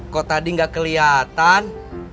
kok tadi gak keliatan